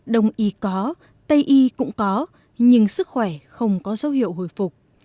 đồng y có tây y cũng có nhưng sức khỏe không có dấu hiệu hồi phục